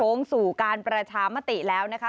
งสู่การประชามติแล้วนะคะ